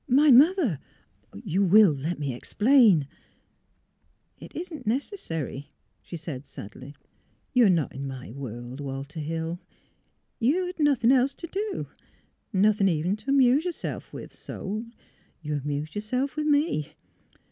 ^' My mother You will let me explain "" It isn't necessary," she said, sadly. " You are not in my world, Walter Hill. You had noth ing else to do — nothing, even, to amuse yourself 362 THE HEART OF PHILUEA with; so — you amused yourself with ^e.